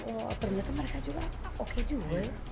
oh ternyata mereka juga oke juga ya